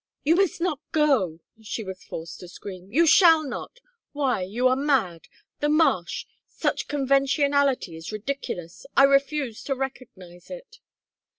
"You must not go!" She was forced to scream. "You shall not. Why, you are mad. The marsh such conventionality is ridiculous. I refuse to recognize it."